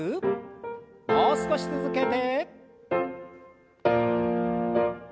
もう少し続けて。